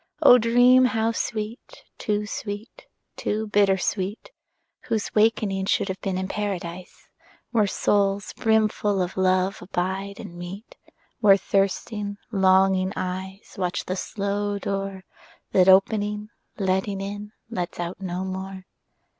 O dream how sweet, too sweet, too bitter sweet, Whose wakening should have been in Paradise, Where souls brimful of love abide and meet; Where thirsting longing eyes Watch the slow door That opening, letting in, lets out no more.